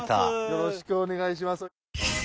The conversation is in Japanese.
よろしくお願いします。